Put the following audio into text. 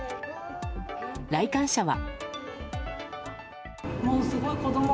来館者は。